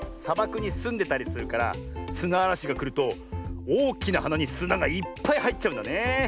さばくにすんでたりするからすなあらしがくるとおおきなはなにすながいっぱいはいっちゃうんだねえ。